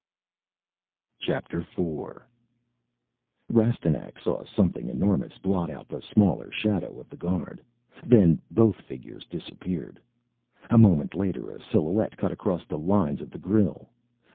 IV Rastignac saw something enormous blot out the smaller shadow of the guard. Then both figures disappeared. A moment later a silhouette cut across the lines of the grille.